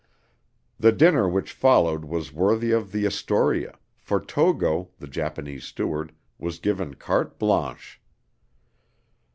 The dinner which followed was worthy of the Astoria, for Togo, the Japanese steward, was given carte blanche.